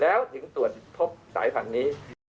แล้วถึงตรวจพบสายพันธุ์นี้